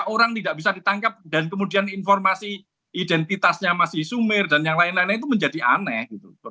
orang tidak bisa ditangkap dan kemudian informasi identitasnya masih sumir dan yang lain lain itu menjadi aneh gitu